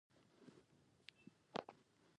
انسان خدای ته ورنیږدې کوې.